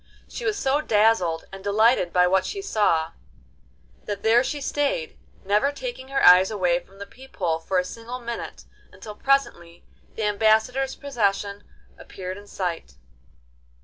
She was so dazzled and delighted by what she saw, that there she stayed, never taking her eyes away from the peep hole for a single minute, until presently the ambassador's procession appeared in sight.